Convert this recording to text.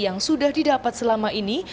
yang sudah didapat selama ini